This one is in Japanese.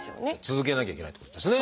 続けなきゃいけないっていうことですね。